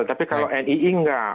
tapi kalau nii enggak